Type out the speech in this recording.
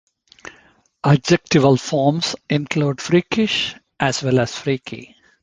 Adjectival forms include "freakish" as well as "freaky.